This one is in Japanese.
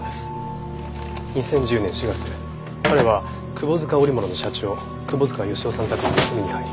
２０１０年４月彼は窪塚織物の社長窪塚吉夫さん宅に盗みに入り。